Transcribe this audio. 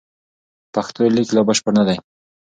پښتو لیک لا بشپړ نه دی.